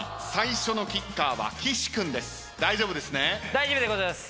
大丈夫でございます。